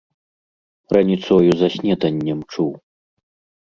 Раніцою за снеданнем чуў.